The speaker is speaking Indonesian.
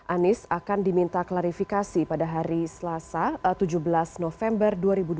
anies akan diminta klarifikasi pada hari selasa tujuh belas november dua ribu dua puluh